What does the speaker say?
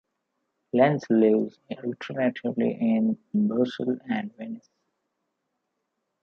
Lens lives alternately in Brussels and Venice.